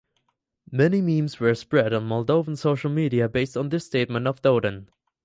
Many memes were spread on Moldovan social media based on this statement of Dodon.